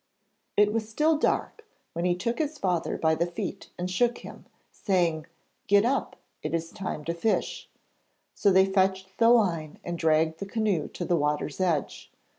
It was still dark when he took his father by the feet and shook him, saying 'Get up, it is time to fish,' so they fetched the line and dragged the canoe to the water's edge.